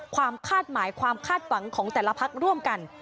ความคาดหมายความคาดหวังของแต่ละพักร่วมกัน